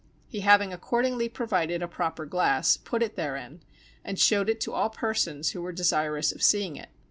He having accordingly provided a proper glass, put it therein, and showed it to all persons who were desirous of seeing it.